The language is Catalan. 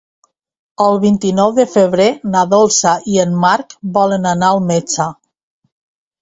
El vint-i-nou de febrer na Dolça i en Marc volen anar al metge.